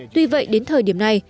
tuy vậy đến thời điểm này